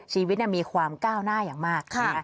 ชีวิตมีความก้าวหน้าอย่างมาก